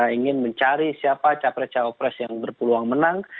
ingin mencari siapa capres cawapres yang berpeluang menang